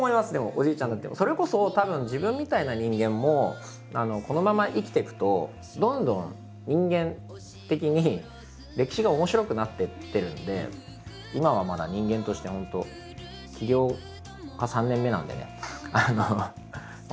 それこそたぶん自分みたいな人間もこのまま生きていくとどんどん人間的に歴史が面白くなっていってるので今はまだ人間として本当起業家３年目なんでね。って今思いました。